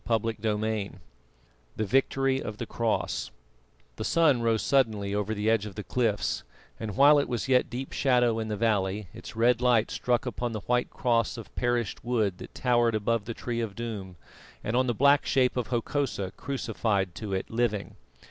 CHAPTER XXII THE VICTORY OF THE CROSS The sun rose suddenly over the edge of the cliffs, and while it was yet deep shadow in the valley, its red light struck upon the white cross of perished wood that towered above the Tree of Doom and on the black shape of Hokosa crucified to it living.